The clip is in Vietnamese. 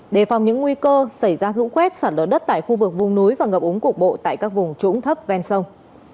đề phòng những nguy cơ xảy ra rũ khuét sản đỡ đất tại khu vực vùng núi và ngập ống cục bộ tại các vùng trũng thấp ven sông